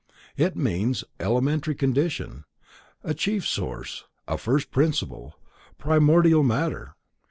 It means:—an elementary condition,—a chief source,—a first principle,—primordial matter.